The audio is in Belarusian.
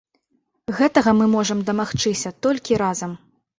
Гэтага мы можам дамагчыся толькі разам.